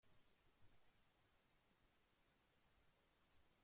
Ha actuado en musicales de Broadway.